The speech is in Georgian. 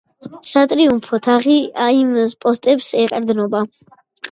სატრიუმფო თაღი იმ პოსტებს ეყრდნობა.